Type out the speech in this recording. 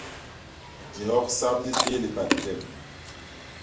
Dioksap di téé lipan jem.